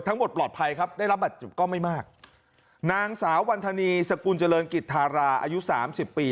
ทั้งหมดปลอดภัยครับได้รับบัตรเจ็บก็ไม่มากนางสาววันธนีสกุลเจริญกิจธาราอายุสามสิบปี